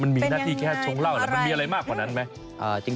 มันมีหน้าที่แค่ชงเหล้ามันมีอะไรมากกว่านั้นไหม